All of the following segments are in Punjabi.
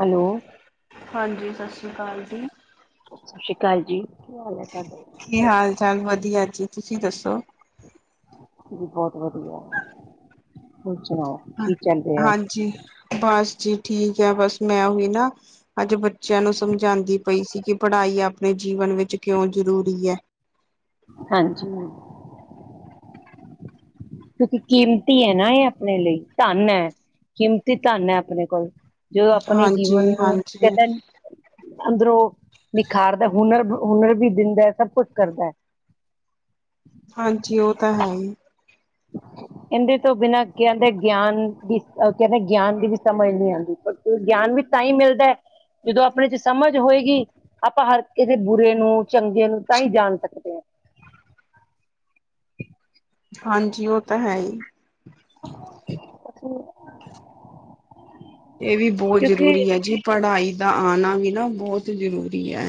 ਹੈਲੋ। ਹਾਂਜੀ ਸਸ ਸੀ੍ ਕਾਲ ਜੀ। ਸਤਿ ਸ਼੍ਰੀ ਅਕਾਲ ਜੀ ਕੀ ਹਾਲ ਹੈ ਤਾਡਾ। ਕੀ ਹਾਲ ਚਾਲ ਵਦੀਆ ਜੀ, ਤੁਸੀਂ ਦੱਸੋ? ਬਹੁਤ ਵਦੀਆ। ਹਾਂ, ਹਾਂਜੀ ਬੱਸ। ਜੀ ਠੀਕ ਹੈ ਬਸ ਮੈਂ ਉਹੀ ਨਾਂ ਅੱਜ ਬੱਚਿਆਂ ਨੂੰ ਸਮਝਾਂਦੀ ਪਈ ਸੀ ਕਿ ਪੜ੍ਹਾਈ ਆਪਣੇ ਜੀਵਨ ਵਿੱਚ ਕਿਉਂ ਜ਼ਰੂਰੀ ਐ। ਹਾਂਜੀ । ਕਿਉਂਕਿ ਕੀਮਤੀ ਐ ਨਾ ਇਹ ਅਪਣੇ ਲਈ, ਧੰਨ ਐ, ਕੀਮਤੀ ਧੰਨ ਐ ਅਪਣੇ ਕੋਲ। ਜੋ ਅਪਣੇ ਹਾਂਜੀ ਜੀਵਨ ਨੂੰ ਹਾਂਜੀ [unintelligible] ਅੰਦਰੋਂ ਨਿਖਾਰਦਾ ਹੁਨਰ ਨੂੰ। ਹੁਨਰ ਵੀ ਦਿੰਦਾ ਸਭ ਕੁਛ ਕਰਦਾ ਐ। ਹਾਂਜੀ ਉਹ ਤਾਂ ਹੈ ਈ। [inaudible] ਇਂਦੇ ਤੋਂ ਬਿਨਾਂ ਕਹਿੰਦੇ ਗਿਆਨ ਦੀ ਅ ਕਹਿੰਦੇ ਗਿਆਨ ਦੀ ਵੀ ਸਮਝ ਨੀ ਆਂਦੀ ਪਰ ਗਿਆਨ ਵੀ ਤਾਂ ਈ ਮਿਲਦਾ ਜਦੋਂ ਅਪਣੇ ਚ ਸਮਝ ਹੋਏਗੀ ਆਪਾਂ ਹਰ ਕਿਸੇ ਬੁਰੇ ਨੂੰ ਚੰਗੇ ਨੂੰ ਤਾਂ ਹੀ ਜਾਣ ਸਕਦੇ ਆ। [inaudible] ਹਾਂਜੀ ਉਹ ਤਾਂ ਹੈ ਹੀ। ਇਹ ਵੀ ਬਹੁਤ ਕਿਉਂਕਿ ਜ਼ਰੂਰੀ ਹੈ ਜੀ ਪੜ੍ਹਾਈ ਦਾ ਆਉਣਾ ਵੀ ਨਾ ਬਹੁਤ ਜ਼ਰੂਰੀ ਹੈ।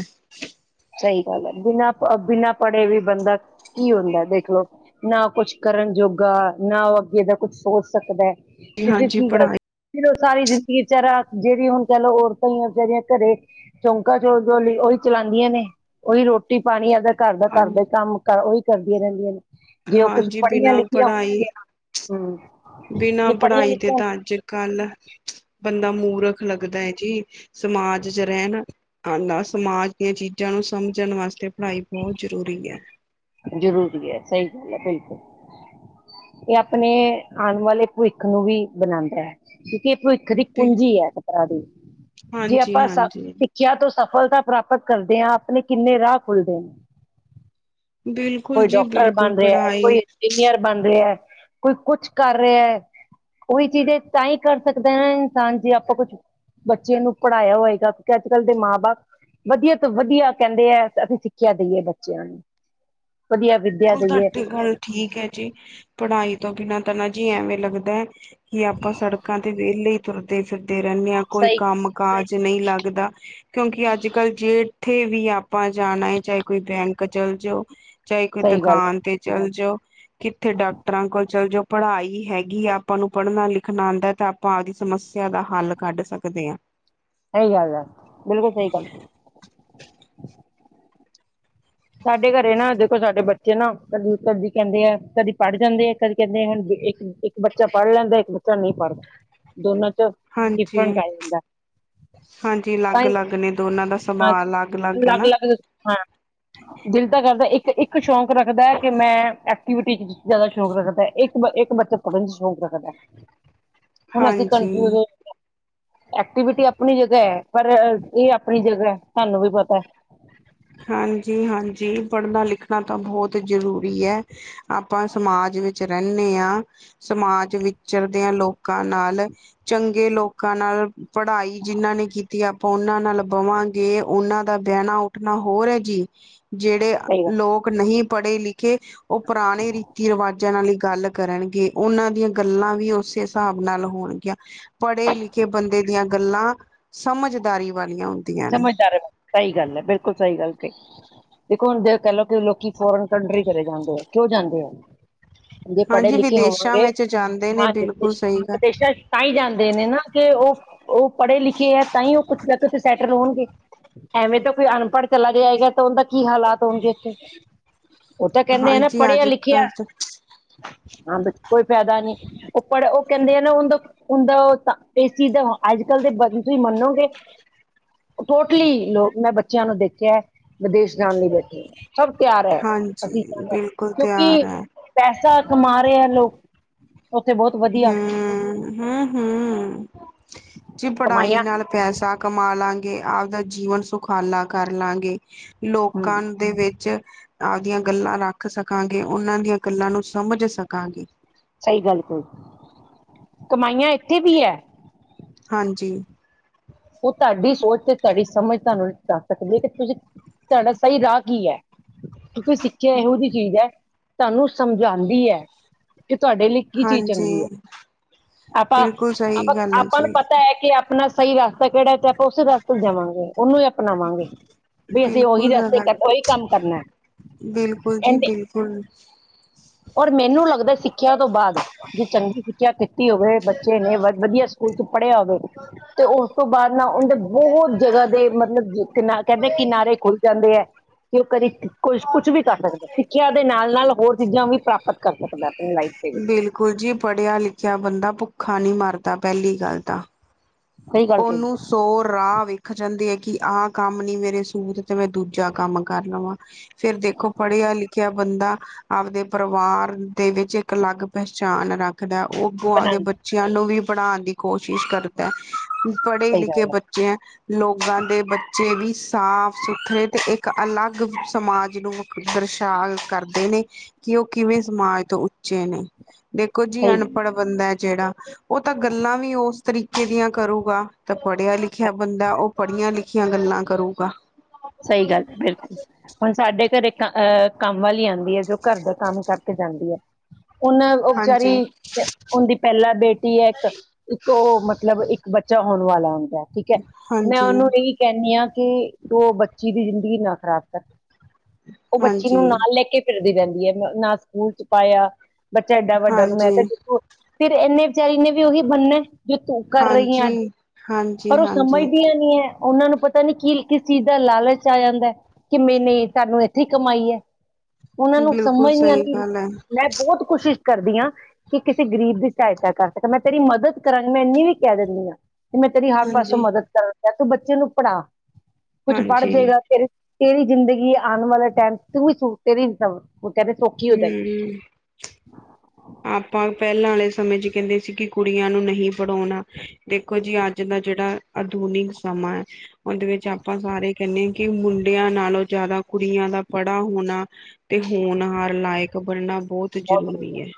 ਸਹੀ ਗੱਲ ਹੈ ਬਿਨਾਂ ਬਿਨਾਂ ਪੜ੍ਹੇ ਵੀ ਬੰਦਾ ਕੀ ਹੁੰਦਾ ਦੇਖਲੋ ਨਾ ਉਹ ਕੁਛ ਕਰਨ ਜੋਗਾ ਨਾ ਉਹ ਅੱਗੇ ਦਾ ਕੁੱਛ ਸੋਚ ਸਕਦਾ ਜੀ ਤੇ ਫਿਰ ਹਾਂਜੀ ਕੀ ਗੱਲ ਪੜ੍ਹਾਈ ਸਾਰੀ ਜ਼ਿੰਦਗੀ ਵਿਚਾਰਾ ਜਿਹੜੀ ਹੁਣ ਕਹਿਲੋ ਔਰਤਾਂ ਹੀ ਵਿਚਾਰੀਆਂ ਘਰੇ ਚੌਂਕਾ ਚੋਲ ਜੋਲੀ ਉਹੀ ਚਲਾ ਆਦੀਆਂ ਨੇ ਉਹੀ ਰੋਟੀ ਪਾਣੀ ਆਪਦਾ ਘਰ ਦਾ ਹਾਂ ਘਰ ਦਾ ਕੰਮ ਉਹੀ ਕਰਦੀਆਂ ਰਹਿੰਦੀਆਂ ਨੇ। ਜੇ ਉਹ ਕੁਛ ਹਾਂਜੀ ਪੜ੍ਹੀਆਂ ਬਿਨਾਂ ਲਿਖੀਆਂ ਪੜ੍ਹਾਈ ਹੋਣਗੀਆਂ ਹਮ ਬਿਨਾਂ ਜੇ ਪੜ੍ਹੀਆਂ ਪੜ੍ਹਾਈ ਦੇ ਲਿਖੀਆਂ ਤਾਂ ਅੱਜ ਕੱਲ ਬੰਦਾ ਮੂਰਖ ਲੱਗਦਾ ਜੀ ਸਮਾਜ ਚ ਰਹਿਣ ਆ ਸਮਾਜ ਦੀਆਂ ਚੀਜ਼ਾਂ ਨੂੰ ਸਮਝਣ ਵਾਸਤੇ ਪੜ੍ਹਾਈ ਬਹੁਤ ਜ਼ਰੂਰੀ ਹੈ। ਜ਼ਰੂਰੀ ਹੈ ਸਹੀ ਗੱਲ ਹੈ । ਇਹ ਆਪਣੇ ਆਉਣ ਵਾਲੇ ਭਵਿੱਖ ਨੂੰ ਵੀ ਬਣਾਉਂਦਾ ਹੈ। ਕਿਉਂਕਿ ਇਹ ਭਵਿੱਖ ਦੀ ਕੁੰਜੀ ਹੈ ਖ਼ਪਰਾ ਦੀ ਜੇ ਆਪਾਂ ਹਾਂਜੀ-ਹਾਂਜੀ ਸਿੱਖਿਆ ਤੋਂ ਸਫਲਤਾ ਪ੍ਰਾਪਤ ਕਰਦੇ ਹਾਂ ਆਪਣੇ ਕਿੰਨੇ ਰਾਹ ਖੁੱਲਦੇ ਨੇ ਬਿਲਕੁਲ ਕੋਈ ਜੀ ਡਾਕਟਰ ਬਣ ਬਿਲਕੁਲ ਰਿਹਾ ਕੋਈ ਪੜ੍ਹਾਈ ਇੰਜੀਨੀਅਰ ਬਣ ਰਿਹਾ ਕੋਈ ਕੁਛ ਕਰ ਰਿਹਾ ਹੈ। ਉਹੀ ਚੀਜ਼ ਤਾਂ ਹੀ ਕਰ ਸਕਦੇ ਨਾ ਇਨਸਾਨ ਜੇ ਆਪਾਂ ਕੁਛ ਬੱਚਿਆਂ ਨੂੰ ਪੜ੍ਹਾਇਆ ਹੋਏਗਾ ਕਿਉਂਕਿ ਅੱਜ ਕੱਲ ਦੇ ਮਾਂ ਬਾਪ ਵਧੀਆ ਤੋਂ ਵਧੀਆ ਕਹਿੰਦੇ ਆ ਅਸੀਂ ਸਿੱਖਿਆ ਦੇਈਏ ਬੱਚਿਆਂ ਨੂੰ ਵਧੀਆ ਵਿੱਦਿਆ ਬਿਲਕੁਲ ਦਈਏ ਤੁਹਾਡੀ ਗੱਲ ਠੀਕ ਹੈ ਜੀ ਪੜ੍ਹਾਈ ਤੋਂ ਬਿਨਾਂ ਤਾਂ ਨਾ ਜੀ ਐਵੇਂ ਲੱਗਦਾ ਹੈ ਕੀ ਆਪਾਂ ਸੜਕਾਂ ਤੇ ਵਿਹਲੇ ਹੀ ਤੁਰਦੇ ਫਿਰ ਰਹਿੰਦੇ ਆਾਂ ਕੋਈ ਸਹੀ ਕੰਮ ਕਾਜ ਨਹੀਂ ਲੱਗਦਾ ਕਿਉਂਕਿ ਅੱਜ ਕੱਲ ਜੇ ਜਿੱਥੇ ਵੀ ਆਪਾਂ ਜਾਣਾ ਹੈ। ਚਾਹੇ ਕੋਈ ਬੈਂਕ ਚੱਲ ਜਾਓ ਚਾਹੇ ਕੋਈ ਸਹੀ ਗੱਲ ਹੈ ਦੁਕਾਨ ਤੇ ਚਲ ਜਾ ਜਾਓ ਕਿੱਥੇ ਡਾਕਟਰਾਂ ਕੋਲ ਚੱਲ ਜੋ ਪੜ੍ਹਾਈ ਹੈਗੀ ਆਪਾਂ ਨੂੰ ਪੜ੍ਹਨਾ ਲਿਖਣਾ ਆਉਂਦਾ ਤਾਂ ਆਪਾਂ ਆਪਦੀ ਸਮੱਸਿਆ ਦਾ ਹੱਲ ਕੱਢ ਸਕਦੇ ਹਾਂ। ਸਹੀ ਗੱਲ ਹੈ। ਬਿਲਕੁਲ ਸਹੀ ਗੱਲ ਸਾਡੇ ਘਰੇ ਨਾ ਦੇਖੋ ਸਾਡੇ ਬੱਚੇ ਨਾ ਕਦੀ ਕਦੀ ਕਹਿੰਦੇ ਆ ਕਦੀ ਪੜ੍ਹ ਜਾਂਦੇ ਆ ਕਦੀ ਕਹਿੰਦੇ ਹੁਣ ਇੱਕ ਇੱਕ ਬੱਚਾ ਪੜ੍ਹ ਲੈਂਦਾ ਇੱਕ ਬੱਚਾ ਨਹੀਂ ਪੜ੍ਹਦਾ ਦੋਨਾਂ ਹਾਂਜੀ ਡਿਫਰਟ ਆ ਜਾਂਦਾ। ਹਾਂਜੀ ਤਾਂ ਅਲੱਗ ਹੀ ਅਲੱਗ ਨੇ ਦੋਨਾਂ ਦਾ ਹਾਂ ਸੁਭਾਅ ਅਲੱਗ ਅਲੱਗ ਹੈਨਾ । ਦਿਲ ਤਾਂ ਕਰਦਾ ਇੱਕ -ਇੱਕ ਸ਼ੌਕ ਰੱਖਦਾ ਕਿ ਮੈਂ ਯੂਟੀ ਜ਼ਿਆਦਾ ਸ਼ੌਕ ਰੱਖਦਾ ਇੱਕ ਬੱਚਾ ਪੜ੍ਹਨ ਚ ਸ਼ੌਕ ਰੱਖਦਾ ਹੁਣ ਅਸੀਂ ਹਾਂਜੀ ਕਨਫਿਊਜ ਹੋ। ਐਕਟੀਵਿਟੀ ਆਪਣੀ ਜਗਾ ਹੈ ਪਰ ਇਹ ਆਪਣੀ ਜਗਾ ਤੁਹਾਨੂੰ ਵੀ ਪਤਾ ਹੈ। ਆਪਣੀ ਹਾਂਜੀ ਹਾਂਜੀ ਪੜਨਾ ਲਿਖਣਾ ਤਾਂ ਬਹੁਤ ਜ਼ਰੂਰੀ ਹੈ। ਆਪਾਂ ਸਮਾਜ ਵਿੱਚ ਰਹਿੰਦੇ ਹਾਂ ਸਮਾਜ ਵਿਚਰਦਿਆਂ ਲੋਕਾਂ ਨਾਲ ਚੰਗੇ ਲੋਕਾਂ ਨਾਲ ਪੜ੍ਹਾਈ ਜਿਨਾਂ ਨੇ ਕੀਤੀ ਆਪਾਂ ਉਹਨਾਂ ਨਾਲ ਬਵਾਂਗੇ ਉਹਨਾਂ ਦਾ ਬਹਿਣਾ ਉੱਠਣਾ ਹੋਰ ਹੈ। ਜੀ ਜਿਹੜੇ ਸਹੀ ਗੱਲ ਲੋਕ ਨਹੀਂ ਪੜ੍ਹੇ ਲਿਖੇ ਉਹ ਪੁਰਾਣੇ ਰੀਤੀ ਰਿਵਾਜਾਂ ਨਾਲ ਇੱਕ ਗੱਲ ਕਰਨਗੇ ਉਹਨਾਂ ਦੀਆਂ ਗੱਲਾਂ ਵੀ ਉਸੇ ਹਿਸਾਬ ਨਾਲ ਹੋਣਗੀਆਂ ਪੜ੍ਹੇ ਲਿਖੇ ਬੰਦੇ ਦੀਆਂ ਗੱਲਾਂ ਸਮਝਦਾਰੀ ਵਾਲੀਆਂ ਹੁੰਦੀਆਂ ਨੇ ਸਮਝਦਾਰ ਹੈ ਸਹੀ ਗੱਲ ਹੈ ਬਿਲਕੁਲ ਸਹੀ ਗੱਲ ਕਈ ਦੇਖੋ ਹੁਣ ਕਲਕ ਕੇ ਲੋਕੀ ਫੋਰਨ ਕੰਟਰੀ ਚਲੇ ਜਾਂਦੇ ਹੈ ਕਿਉਂ ਜਾਂਦੇ ਆ। ਜੇ ਪੜ੍ਹੇ ਹਾਂਜੀ ਲਿਖੇ ਵਿਦੇਸ਼ਾਂ ਹੋਵਾਂਗੇ ਵਿੱਚ ਜਾਂਦੇ ਨੇ ਹਾਂਜੀ ਬਿਲਕੁਲ ਸਹੀ ਗੱਲ ਵਿਦੇਸ਼ਾਂ ਤਾਂਹੀ ਜਾਂਦੇ ਨੇ ਨਾ ਕਿ ਉਹ ਉਹ ਪੜ੍ਹੇ ਲਿਖੇ ਹੈ ਤਾਂ ਹੀ ਉਹ ਕੁਛ ਤੱਕ ਕੁੱਛ ਸੈਟਲ ਹੋਣਗੇ ਐਵੇਂ ਤਾਂ ਕੋਈ ਅਨਪੜ ਲੱਗ ਜਾਏਗਾ ਉਹਦਾ ਕੀ ਹਾਲਾਤ ਹੋਣਗੇ ਉੱਥੇ ਉਹ ਤਾਂ ਕਹਿੰਦੇ ਆ ਨਾ ਹਾਂਜੀ ਪੜਿਆ ਅੱਜ ਲਿਖਿਆ ਕੱਲ ਹਾਂ, ਬ ਕੋਈ ਫਾਇਦਾ ਨੀ, ਉਪੜ ਉ ਕਹਿੰਦੇ ਏ ਨਾ ਓਨਦਾ, ਉਹਦਾ ਓਦਾ ਇਸ ਚੀਜ਼ ਦਾ ਅੱਜ ਕੱਲ ਦੇ ਬੱਚੇ ਮੰਨ ਦੋਗੇ, ਟੋਟਲੀ ਲੋ ਮੈਂ ਬੱਚਿਆਂ ਨੂੰ ਦੇਖਿਆ ਵਿਦੇਸ਼ ਜਾਣ ਲਈ ਬੈਠੇ, ਸਭ ਤਿਆਰ ਹੈ ਹਾਂਜੀ ਅਸੀਂ ਜਾਣਾ। ਬਿਲਕੁਲ ਤਿਆਰ ਕਿਉਂਕਿ, ਹੈ ਪੈਸਾ ਕਮਾ ਰਹੇ ਹੈ ਲੋਕ। ਉੱਥੇ ਬਹੁਤ ਵਧੀਆ ਹਮ -ਹਮ, ਹਮ ਜੀ ਪੜਾਈ ਕਮਾਈਆਂ ਨਾਲ ਪੈਸਾ ਕਮਾ ਲਾਂਗੇ, ਆਪਦਾ ਜੀਵਨ ਸੁਖਾਲਾ ਕਰ ਲਾਂਗੇ। ਲੋਕਾਂ ਹਮ ਦੇ ਵਿੱਚ ਆਪਦੀਆਂ ਗੱਲਾਂ ਰੱਖ ਸਕਾਂਗੇ, ਉਹਨਾਂ ਦੀਆਂ ਗੱਲਾਂ ਨੂੰ ਸਮਝ ਸਕਾਂਗੇ। ਸਹੀ ਗੱਲ ਕਹੀ, ਕਮਾਈਆਂ ਇੱਥੇ ਵੀ ਹੈ। ਹਾਂਜੀ। ਉਹ ਤੁਹਾਡੀ ਸੋਚ, ਤੇ ਤੁਹਾਡੀ ਸਮਝ ਤੁਹਾਨੂੰ ਦਸ ਸਕਦੀ ਹੈ, ਤੁਹਾਡਾ ਸਹੀ ਰਾਹ ਕੀ ਹੈ? ਕਿਉਂਕਿ ਸਿੱਖਿਆ, ਇਹੋ ਜਿਹੀ ਚੀਜ਼ ਹੈ, ਤੁਹਾਨੂੰ ਸਮਝਾਉਂਦੀ ਹੈ। ਕਿ ਤੁਹਾਡੇ ਲਈ, ਕੀ ਚੀਜ਼ ਹਾਂਜੀ ਚੰਗੀ ਐ। ਆਪਾਂ ਬਿਲਕੁਲ ਸਹੀ -ਆਪਾਂ, ਗੱਲ ਹੈ ਆਪਾਂ ਨੂੰ ਜੀ ਪਤਾ ਹੈ ਕਿ ਆਪਣਾ ਸਹੀ ਰਾਹ ਕਿਹੜਾ ਸਟੈਪ, ਉਸੇ ਰਾਹ ਤੋਂ ਜਾਵਾਂਗੇ। ਉਹਨੂੰ ਹੀ ਅਪਣਾਵਾਂਗੇ, ਵੀ, ਅਸੀਂ ਉਹੀ ਬਿਲਕੁਲ ਰਸਤੇ, ਰ ਉਹੀ ਕੰਮ ਕਰਨਾ [unintelligible] ਬਿਲਕੁਲ ਜੀ, ਇੰਨੇ ਬਿਲਕੁਲ ਔਰ ਮੈਨੂੰ ਲੱਗਦਾ ਸਿੱਖਿਆ ਤੋਂ ਬਾਅਦ ਜੇ ਚੰਗੀ ਸਿੱਖਿਆ ਪੜਿਆ ਕਰੋ । ਤੇ ਉਸ ਤੋਂ ਬਾਅਦ ਨਾ, ਉਹਦੇ ਬਹੁਤ ਜਗ੍ਹਾ ਦੇ ਮਤਲਬ ਕਿ, ਕਿਨਾਰ ਕਹਿੰਦੇ ਕਿਨਾਰੇ ਖੁੱਲ ਜਾਂਦੇ ਹੈ। ਕਿ ਉਹ ਕਦੀ ਕੁਛ -ਕੁਛ, ਵੀ ਕਰ ਸਕਦਾ ਸਿੱਖਿਆ ਦੇ ਨਾਲ- ਨਾਲ ਹੋਰ ਚੀਜ਼ਾਂ ਵੀ ਪ੍ਰਾਪਤ ਕਰ ਸਕਦਾ। ਆਪਣੀ ਲਾਈਫ ਦੇ ਵਿੱਚ ਬਿਲਕੁਲ ਜੀ, ਪੜ੍ਹਿਆ ਲਿਖਿਆ ਬੰਦਾ ਭੁੱਖਾ ਨਹੀਂ ਮਰਦਾ ਪਹਿਲੀ ਗੱਲ ਤਾਂ ਸਹੀ ਗੱਲ ਕਹੀ ਉਹਨੂੰ ਸੌ ਰਾਹ ਵਿਖ ਜਾਂਦੇ ਕਿ ਆਹ ਕੰਮ ਨੀ, ਮੇਰੇ ਸੂਤ ਤੇ ਮੈਂ ਦੂਜਾ ਕੰਮ ਕਰ ਲਵਾਂ, ਫੇਰ ਦੇਖੋ ਪੜਿਆ ਲਿਖ ਬੰਦਾ, ਆਪਦੇ ਪਰਿਵਾਰ ਦੇ ਵਿੱਚ ਇੱਕ ਅਲੱਗ ਪਹਿਚਾਣ ਰੱਖਦਾ। ਅੱਗੋਂ ਆਪ ਦੇ ਬਣਾਉਂਦਾ ਬੱਚਿਆਂ ਨੂੰ ਵੀ, ਪੜ੍ਹਾਉਣ ਦੀ ਕੋਸ਼ਿਸ਼ ਕਰਦਾ। ਪੜ੍ਹੇ ਸਹੀ ਲਿਖੇ ਗੱਲ ਬੱਚੇ ਹੈ, ਲੋਕਾਂ ਦੇ ਬੱਚੇ ਵੀ ਸਾਫ ਸੁਥਰੇ ਤੇ ਅਲੱਗ ਸਮਾਜ ਨੂੰ, ਦਰਸ਼ਾ ਕਰਦੇ ਨੇ ਕਿ ਉਹ ਕਿਵੇਂ ਸਮਾਜ ਤੋਂ ਚੇਨੇ ਦੇਖੋ ਜੀ ਸਹੀ ਅਨਪੜ੍ਹ ਬੰਦਾ ਹੈ, ਜਿਹੜਾ ਉਹ ਤਾਂ ਗੱਲਾਂ ਵੀ ਉਸ ਤਰੀਕੇ ਦੀਆਂ ਕਰੂਗਾ ਤਾਂ ਪੜ੍ਹਿਆ ਲਿਖਿਆ ਬੰਦਾ, ਉਹ ਪੜ੍ਹੀਆਂ ਲਿਖੀਆਂ ਗੱਲਾਂ ਕਰੂਗਾ। ਸਹੀ ਗੱਲ ਬਿਲਕੁਲ ਹੁਣ ਸਾਡੇ ਘਰੇ। ਅਹ ਕੰਮ ਵਾਲੀ ਆਉਂਦੀ ਹੈ, ਜੋ ਘਰ ਦਾ ਕੰਮ ਕਰਕੇ ਜਾਂਦੀ ਹੈ । ਉਹਨਾਂ ਉਹ ਹਾਂਜੀ ਵਿਚਾਰੀ ਉਹਦੀ ਪਹਿਲਾ ਬੇਟੀ ਹੈ ਇੱਕ, ਇੱਕ ਉਹ ਮਤਲਬ ਇੱਕ ਬੱਚ ਬੱਚਾ ਹੋਣ ਵਾਲਾ ਹੁੰਦਾ, ਠੀਕ ਹੈ ਮੈਂ ਹਾਂਜੀ ਉਹਨੂੰ ਇਹੀ ਕਹਿੰਦੀ ਹਾਂ ਕਿ ਤੂੰ ਬੱਚਾ ਬੱਚੀ ਦੀ ਜ਼ਿੰਦਗੀ ਨਾ ਖਰਾਬ ਕਰ, ਉਹ ਬੱਚੀ ਹਾਂਜੀ ਨੂੰ ਨਾਲ ਲੈ ਕੇ ਫਿਰਦੀ ਰਹਿੰਦੀ। ਯਮ ਨਾ ਸਕੂਲ ਚ ਪਾਇਆ, ਬੱਚਾ ਏਡਾ ਵੱਡਾ ਮੈਂ ਹਾਂਜੀ ਕਿਹਾ ਦੇਖੋ ਫਿਰ ਇਨੇ ਵਿਚਾਰੀ ਨੇ ਵੀ ਉਹੀ ਬੰਨੇ। ਜੋ ਤੁੰ ਕਰ ਰਹੀ ਹੈ ਅੱਜ, ਹਾਂਜੀ ਹਾਂਜੀ ਪਰ ਉਹ ਹਾਂਜੀ ਸਮਝਦੀਆਂ ਨੀ ਹੈ, ਉਹਨਾਂ ਨੂੰ ਪਤਾ ਨੀ ਕੀ ਕਿਸ ਚੀਜ਼ ਦਾ ਲਾਲਚ ਆ ਜਾਂਦਾ, ਕਿ ਮੇ ਤੁਹਾਨੂੰ ਇੱਥੇ ਹੀ ਕਮਾਈ ਹੈ। ਉਹਨਾਂ ਨੂੰ ਬਿਲਕੁਲ ਸਮਝ ਨੀ ਸਹੀ ਆਉਂਦੀ, ਗੱਲ ਹੈ ਮੈਂ ਬਹੁਤ ਕੋਸ਼ਿਸ਼ ਕਰਦੀ ਹਾਂ, ਕਿ ਕਿਸੇ ਗਰੀਬ ਦੀ ਸਹਾਇਤਾ ਕਰ ਸਕਾ, ਮੈਂ ਤੇਰੀ ਮਦਦ ਕਰਾਂਗੀ, ਮੈਂ ਇੰਨੀ ਵੀ ਕਹਿ ਦਿੰਦੀ ਹਾਂ। ਮੈਂ ਤੇਰੀ ਹਰ ਪਾਸੋਂ ਹਾਂਜੀ ਮਦਦ ਕਰਾਂਗਾ, ਤੂੰ ਬੱਚੇ ਨੂੰ ਪੜ੍ਹਾ, ਕੁਛ ਬਣ ਹਾਂਜੀ ਜਾਏਗਾ ਤੇਰੇ ਤੇਰੀ ਜ਼ਿੰਦਗੀ, ਆਉਣ ਵਾਲੇ ਟਾਈਮ ਤੂੰ ਵੀ ਸੂ ਤੇਰੀ ਸਵ ਉਹ ਕਹਿੰਦੇ, ਸੌਖੀ ਹੋ ਜਾਏਗੀ। ਹਮ ਆਪਾਂ ਪਹਿਲਾਂ ਵਾਲੇ ਸਮੇਂ ਚ ਕਹਿੰਦੇ ਸੀ, ਕਿ ਕੁੜੀਆਂ ਨੂੰ ਨਹੀਂ ਪੜ੍ਹਾਉਣਾ ਦੇਖੋ ਜੀ ਅੱਜ ਦਾ ਜਿਹੜਾ ਆਧੁਨਿਕ ਸਮਾਂ ਸਮਾਂ- ਉਹਦੇ ਵਿੱਚ ਆਪਾਂ ਸਾਰੇ ਕਹਿੰਦੇ ਹਾਂ, ਕਿ ਮੁੰਡਿਆਂ ਨਾਲੋਂ ਜ਼ਿਆਦਾ ਕੁੜੀਆਂ ਦਾ ਪੜਾ ਹੋਣਾ ਤੇ ਹੋਣਹਾਰ, ਲਾਇਕ ਬਣਨਾ ਬਹੁਤ ਜਰੂਰੀ ਹੈ।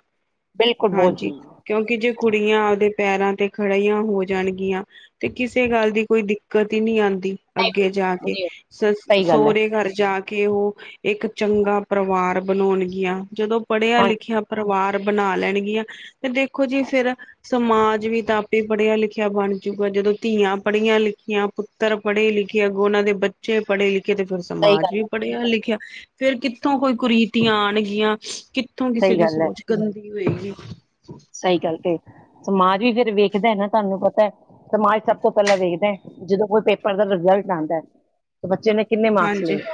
ਬਿਲਕੁਲ ਬਹੁਤ ਹਾਂਜੀ, ਜ਼ਰੂਰੀ ਹੈ ਕਿਉਂਕਿ ਜੇ ਕੁੜੀਆਂ ਆਪਦੇ ਪੈਰਾਂ ਤੇ ਖੜਆਂ ਹੋ ਜਾਣਗੀਆਂ। ਤੇ ਕਿਸੇ ਗੱਲ ਦੀ ਕੋਈ ਦਿੱਕਤ ਹੀ ਨਹੀਂ, ਆਉਂਦੀ। ਦੀ, ਨਹੀਂ ਅੱਗੇ ਜਾ ਭਾਈ, ਕੇ ਨਹੀਂ ਸ ਸਹੀ ਗੱਲ ਹੈ ਸੋਹਰੇ ਘਰ ਜਾ ਕੇ ਔਹ ਇੱਕ ਚੰਗਾ ਪਰਿਵਾਰ ਬਣਾਉਣਗੀਆਂ। ਜਦੋਂ ਪੜ੍ਹਿਆ ਹਾਂਜੀ ਲਿਖਿਆ ਪਰਿਵਾਰ ਬਣਾ ਲੈਣਗੀਆਂ, ਤੇ ਦੇਖੋ ਜੀ ਫੇਰ ਸਮਾਜ ਵੀ ਤਾਂ ਆਪੇ ਪੜ੍ਹਿਆ ਲਿਖਿਆ ਬਣ ਜੁਗਾ। ਜਦੋਂ ਧੀ ਧੀਆਂ ਪੜ੍ਹੀਆਂ ਲਿਖੀਆਂ, ਪੁੱਤਰ ਪੜ੍ਹੇ ਲਿਖੇ, ਅੱਗੋਂ ਉਹਨਾਂ ਦੇ ਬੱਚੇ ਪੜ੍ਹੇ ਲਿ ਕੀਤੇ ਫਿਰ ਸਹੀ ਸਮਾਜ ਗੱਲ ਵੀ ਹੈ ਪੜ੍ਹਿਆ ਲਿਖਿਆ। ਫੇਰ ਕਿੱਥੋਂ ਕੋਈ ਕੁਰੀਤੀਆਂ ਆਣਗੀਆਂ ਕਿ ਕਿੱਥੋਂ ਕਿਸੇ ਦੀ ਸੋਚ ਗੰਦੀ ਹੋਏਗੀ। ਸਈ ਗੱਲ ਕੇ ਸਮਾਜ ਵੀ ਫੇਰ ਵੇਖਦਾ ਏ ਨਾ, ਤੁਹਾਨੂੰ ਪਤਾ ਏ, ਸਮਾਜ ਸਭ ਤੋਂ ਪਹਿਲਾਂ ਵੇਖਦਾ ਏ, ਜਦੋਂ ਕੋਈ ਪੇਪਰ ਦਾ ਰਿਜ਼ਲਟ ਆਂਦਾ ਏ, ਤੇ ਬੱਚੇ ਨੇ ਕਿੰਨੇ ਮਾਰਕਸ ਹਾਂਜੀ ਲਏ ਏ?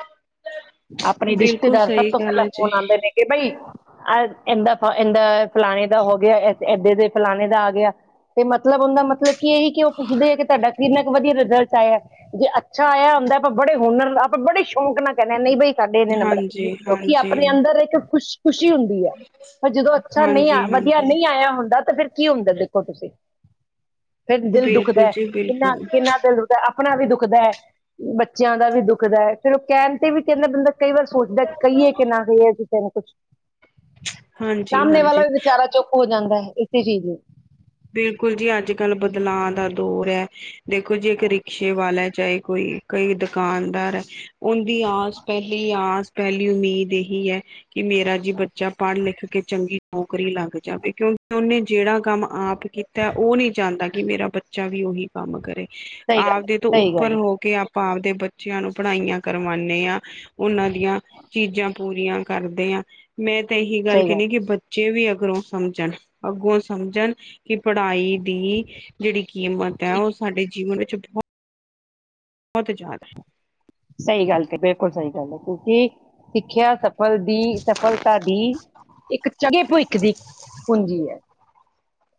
ਆਪਣੇ ਬਿਲਕੁਲ ਰਿਸ਼ਤੇਦਾਰ, ਸਭ ਸਹੀ ਤੋਂ ਗੱਲ ਪਹਿਲਾਂ ਹੈ ਜੀ ਫੋਨ ਆਉਂਦੇ ਨੇ ਕਿ ਬਈ ਆ ਏਂਦਾ ਫ ਏਂਦਾ ਫਲਾਣੇ ਦਾ ਹੋ ਗਿਆ, ਏ ਏਦੇ ਦੇ ਫਲਾਣੇ ਦਾ ਆ ਗਿਆ। ਤੇ ਮਤਲਬ, ਔਂਦਾ ਮਤਲਬ ਕੀ ਇਹ ਈ, ਕਿ ਉਹ ਪੁੱਛਦੇ ਏ ਕਿ ਤੁਹਾਡਾ ਕਿੰਨਾ ਕੂ ਵਧੀਆ ਰਿਜ਼ਲਟ ਆਇਆ ਏ? ਜੇ ਅੱਛਾ ਆਇਆ ਹੁੰਦਾ ਏ, ਆਪਾਂ ਬੜੇ ਹੁਨਰ, ਆਪਾਂ ਬੜੇ ਸ਼ੌਕ ਨਾਲ ਕਹਿੰਣੇ ਆ, ਨਈ ਬਈ ਸਾਡੇ ਇੰਨੇ ਨੰਬਰ ਏ, ਹਾਂਜੀ ਕਿਉਂਕਿ ਹਾਂਜੀ ਆਪਣੇ ਅੰਦਰ ਇੱਕ ਖੁਸ਼ ਖੁਸ਼ੀ ਹੁੰਦੀ ਏ, ਪਰ ਜਦੋਂ ਅੱਛਾ ਨਈ ਹਾਂਜੀ ਆ, ਵਧੀਆ ਹਾਂਜੀ ਨਈ ਆਇਆ ਹੁੰਦਾ, ਤਾਂ ਫਿਰ ਕੀ ਹੁੰਦਾ ਤੋ ਤੁਸੀਂ, ਫਿਰ ਦਿਲ ਬਿਲਕੁਲ ਦੁਖਦਾ ਐ। ਜੀ ਬਿਲਕੁਲ ਕਿੰਨਾ-ਕਿੰਨਾ ਦਿਲ ਦੁਖਦਾ ਆ ਆਪਣਾ ਵੀ ਦੁਖਦਾ ਹੈ। ਬੱਚਿਆਂ ਦਾ ਵੀ ਦੁਖਦਾ ਹੈ, ਫੇਰ ਉਹ ਕਹਿਣ ਤੇ ਵੀ ਕਹਿੰਦਾ ਬੰਦਾ ਕਈ ਵਾਰ ਸੋਚਦਾ ਏ, ਕਹੀਏ ਕਿ ਨਾ ਕਹੀਏ ਉਹ ਕੁਛ ਹਾਂਜੀ-ਹਾਂਜੀ। ਚਾਰਾ ਚੁੱਕ ਹੋ ਜਾਂਦਾ ਏ, ਇਸੇ ਚੀਜ਼ ਨੂੰ ਬਿਲਕੁਲ ਜੀ, ਅੱਜ ਕੱਲ ਬਦਲਾਅ ਦਾ ਦੌਰ ਏ, ਦੇਖੋ ਜੀ ਇੱਕ ਰਿਕਸ਼ੇ ਵਾਲਾ ਏ ਚਾਹੇ ਕੋਈ ਕਈ ਦੁਕਾਨਦਾਰ ਏ, ਔਂਦੀ ਆਸ, ਪਹਿਲੀ ਆਸ, ਪਹਿਲੀ ਉਮੀਦ ਏਹੀ ਕੀ ਏ, ਕਿ ਮੇਰਾ ਜੀ ਬੱਚਾ ਪੜ੍ਹ ਲਿਖ ਕੇ ਚੰਗੀ ਨੌਕਰੀ ਲੱਗ ਜਾਵੇ, ਕਿਉਂਕਿ ਉਹਨੇ ਜਿਹੜਾ ਕੰਮ ਆਪ ਕੀ ਕੀਤਾ ਏ, ਉਹ ਨਈ ਚਾਂਦਾ, ਕਿ ਮੇਰਾ ਬੱਚਾ ਵੀ ਔਹੀ ਕੰਮ ਕਰੇ। ਸਹੀ ਗੱਲ ਆਪਦੇ ਤੋਂ ਹੈ ਸਹੀ ਉੱਪਰ ਗੱਲ ਹੈ ਹੋ ਕੇ ਆਪ ਅਪਾਂ ਆਪ ਦੇ ਬੱਚਿਆਂ ਨੂੰ ਪੜ੍ਹਾਈਆਂ ਕਰਵਾਣੇ ਆ। ਉਹਨਾਂ ਦੀਆਂ ਚੀਜ਼ਾਂ ਪੂਰੀਆਂ ਕਰਦੇ ਮੈਂ ਤਾਂ ਇਹੀ ਗੱਲ ਸਹੀ ਕਹਣੀ ਆ, ਹੈ ਕਿ ਬੱਚੇ ਵੀ ਅੱਗਰੋਂ ਸਮਝਣ। ਅੱਗੋਂ ਸਮਝਣ ਕਿ ਪੜ੍ਹਾਈ ਦੀ ਜੇਹੜੀ ਕੀਮਤ ਏ, ਕੀ- ਉਹ ਸਾਡੇ ਜੀਵਨ ਵਿੱਚ ਬਹੁਤ ਬੋਤ ਜਾਦਾ ਏ। ਸਈ ਗੱਲ ਤੇ ਬਿਲਕੁਲ ਸਈ ਗੱਲ ਏ, ਕਿਉਕਿ ਸਿੱਖਿਆ ਸਭ ਸਫਲ ਦੀ ਸਫਲਤਾ ਦੀ, ਇੱਕ ਚੰਗੇ ਭਵਿੱਖ ਦੀ, ਪੂੰਜੀ ਐ।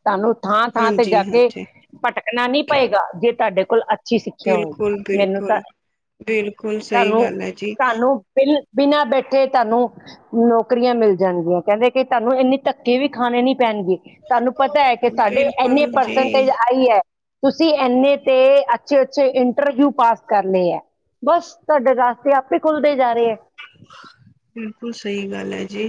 ਤੁਹਾਨੂੰ ਹੈ। ਥਾਂ-ਥਾਂ ਤੇ ਹਾਂਜੀ ਜਾ ਕੇ, ਹਾਂਜੀ ਭਟਕਣਾ ਨੀ ਪਏਗਾ, ਜੇ ਤੁਹਾਡੇ ਕੋਲ ਅ ਅੱਛੀ ਸਿੱਖਿਆ ਹੋਵੇ, ਬਿਲਕੁਲ ਮੈਨੂੰ ਤਾਂ ਬਿਲਕੁਲ ਬਿਲਕੁਲ ਸਹੀ ਗੱਲ ਹੈ ਜੀ ਤਾਨੂੰ-ਤਾਨੂੰ ਬਿਲ ਬਿਨਾਂ ਬੈਠੇ, ਤਾਨੂੰ ਨੌਕਰੀਆਂ ਮਿਲ ਜਾਣਗੀਆਂ। ਕਹਿੰਦੇ ਕਿ ਤਾਨੂੰ ਇੰਨੀ ਧੱਕੇ ਵੀ ਖਾਣੇ ਨੀ ਪੈਣਗੇ, ਤਾਨੂੰ ਪਤਾ ਏ ਕਿ ਤੁਹਾਡੇ ਏਨੇ ਬਿਲਕੁਲ ਪਰਸੈਂਟੇਜ ਜੀ ਆਈ ਏ। ਤੁਸੀਂ ਏਨੇ ਤੇ ਅੱਛੇ-ਅੱਛੇ ਇੰਟਰਵਿਊ ਪਾਸ ਕਰਨੇ ਏ। ਬਸ, ਤੁਹਾਡੇ ਰਾਸਤੇ ਆਪੇ ਖੁੱਲਦੇ ਜਾ ਰਹੇ ਹੈ। ਬਿਲਕੁਲ ਸਹੀ ਗੱਲ ਏ ਜੀ,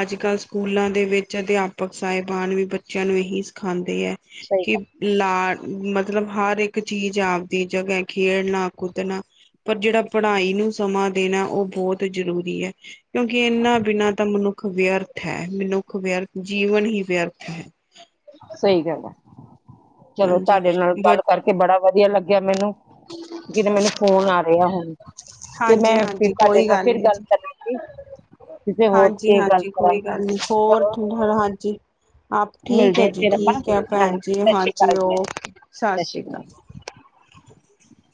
ਅੱਜ ਕੱਲ ਸਕੂਲਾਂ ਦੇ ਵਿੱਚ ਅਧਿਆਪਕ ਸਾਹਿਬਾਨ ਵੀ ਬੱਚਿਆਂ ਨੂੰ ਇਹੀ ਸਿਖਾਉਂਦੇ ਏ, ਸਹੀ ਕਿ ਗੱਲ ਲਾ ਮਤਲਬ ਹਰ ਇੱਕ ਚੀਜ਼ ਆਪਦੀ ਜਗ੍ਹਾ ਏ, ਖੇਡਣਾ ਕੁਦਣਾ ਪਰ ਜੇਹੜਾ ਪੜ੍ਹਾਈ ਨੂੰ ਸਮਾਂ ਦੇਣਾ ਏ, ਉਹ ਬਹੁਤ ਜ਼ਰੂਰੀ ਐ। ਕਿਉਂਕਿ ਏਨਾ ਬਿਨਾਂ ਤਾਂ ਮਨੁੱਖ ਖ ਵਿਅਰਥ ਹੈ। ਮਨੁੱਖ ਵਿਅਰਥ, ਜੀਵਨ ਹੀ ਵਿਅਰਥ ਹੈ। ਸਈ ਗੱਲ ਹੈ। ਚਲੋ ਹਾਂਜੀ ਤੁਹਾਡੇ ਨਾਲ ਬ ਗੱਲ ਕਰਕੇ ਬੜਾ ਵਧੀਆ ਲੱਗਿਆ ਮੈਨੂੰ ਜਿਦੋਂ ਮੈਨੂੰ ਫੋਨ ਆ ਰਿਹਾ ਹੁਣ। ਤੇ ਹਾਂਜੀ ਮੈਂ ਫਿਰ ਹਾਂਜੀ ਤੁਹਾਡੇ ਨਾਲ ਫਿਰ ਗੱਲ ਕਰਾਂਗੀ। ਕਿਸੇ ਹੋਰ ਤੇ ਗੱਲ ਹਾਂਜੀ-ਹਾਂਜੀ ਕੋਈ ਕਰਾਂਗੀ ਗੱਲ ਨੀ, ਹੋਰ? ਚਲੋ ਹਾਂਜੀ। ਆਪ ਠੀਕ ਮਿਲਦੇ ਏ ਹਾਂ ਜੀ। ਫਿਰ ਆਪਾਂ ਠੀਕ ਏ ਭੈਣ ਹਾਂਜੀ ਜੀ, ਸਤਿ ਸ਼੍ਰੀ ਹਾਂਜੀ ਅਕਾਲ ਓ, ਜੀ ਸਤਿ ਸ਼੍ਰੀ ਕਾਲ।